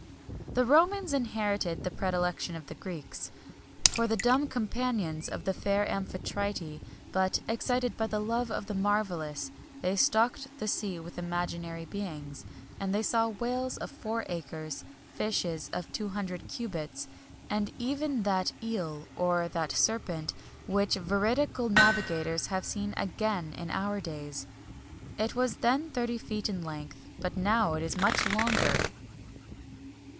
The Romans inherited the predilection of the Greeks, "For the dumb companions of the fair Amphitryte;" but, excited by the love of the marvellous, they stocked the sea with imaginary beings; and they saw whales of four acres, fishes of two hundred cubits, and even that eel, or that serpent, which veridical navigators have seen again in our days. It was then thirty feet in length,[XXI 15] but now it is much longer!